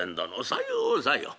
「さようさよう。